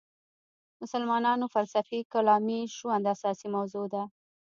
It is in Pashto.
مسلمانانو فلسفي کلامي ژوند اساسي موضوع ده.